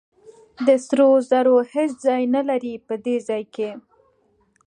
سرو زرو هېڅ ځای نه لري په دې ځای کې.